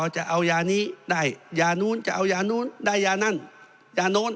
จะเอายานี้ได้ยานู้นจะเอายานู้นได้ยานั่นยาโน้น